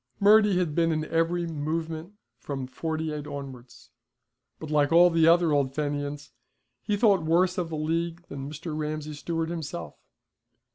Murty had been in every 'movement' from the '48 onwards. But like all the other old Fenians, he thought worse of the League than Mr. Ramsay Stewart himself.